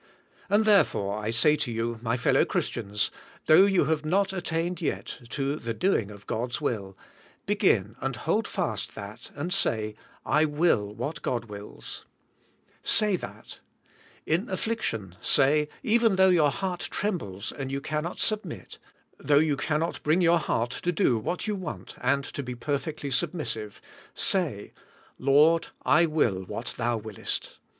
And therefore I say to you, my fellow Christians, WIIvIyING AND DOING. IBI thoug h. you have not attained yet to the doing of God's will, begin and hold fast that and say, I will what God wills. Say that. In affliction say, even thoug*h your heart tiembles and you cannot submit; thoug"h you cannot bring* your heart to do what you want and to be perfectly submissive; say, "Lord, I will what Thou wiliest.